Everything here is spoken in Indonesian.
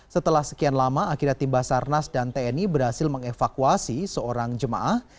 setelah sekian lama akhirnya tim basarnas dan tni berhasil mengevakuasi seorang jemaah